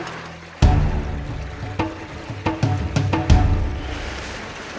bisa jadi kei